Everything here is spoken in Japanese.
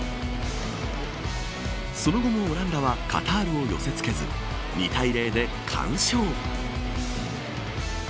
その後もオランダはカタールを寄せつけず２対０で完勝。